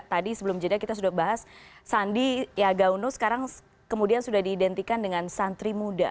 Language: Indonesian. tadi sebelum jeda kita sudah bahas sandi yaga uno sekarang kemudian sudah diidentikan dengan santri muda